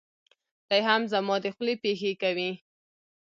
دی هم زما دخولې پېښې کوي.